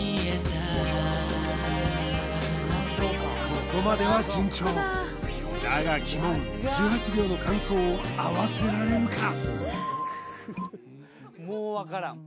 ここまでは順調だが鬼門１８秒の間奏を合わせられるかもう分からん